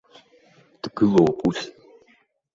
Дгылоуп ус!